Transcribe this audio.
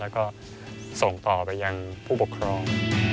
แล้วก็ส่งต่อไปยังผู้ปกครอง